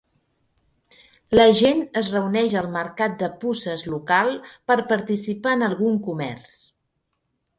La gent es reuneix al mercat de puces local per participar en algun comerç.